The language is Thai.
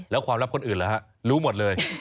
แล้วความลับคนอื่นเหรอฮะรู้หมดเลย